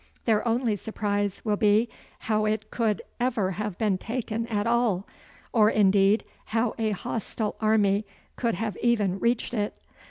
Their only surprise will be, how it could ever have been taken at all or indeed how a hostile army could have even reached it.